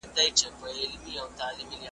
باران ځمکه شنه کوی.